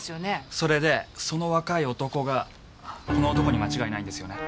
それでその若い男がこの男に間違いないんですよね？